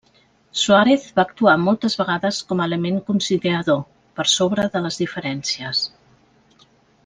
Suárez va actuar moltes vegades com a element conciliador, per sobre de les diferències.